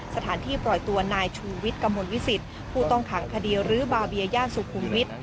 สถานที่ปล่อยตัวนายชูวิทกมลวิสิตผู้ต้องขังคดีหรือบาเบียก็จะได้รับอิสระภาพ